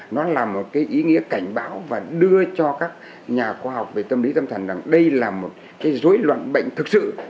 nó là một cái ý nghĩa cảnh báo và đưa cho các nhà khoa học về tâm lý tâm thần rằng đây là một cái dối loạn bệnh thực sự